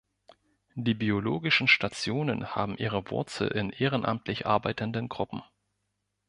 Die Biologischen Stationen haben ihre Wurzel in ehrenamtlich arbeitenden Gruppen.